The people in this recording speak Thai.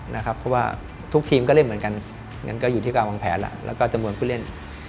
เพราะว่าทุกทีมก็เล่นเหมือนกันงั้นก็อยู่ที่การวางแผนแล้วแล้วก็จำนวนผู้เล่น